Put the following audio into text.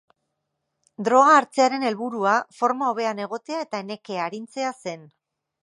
Droga hartzearen helburua forma hobean egotea eta nekea arintzea zen.